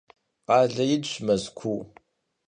Къалэ инщ Мэзкуу.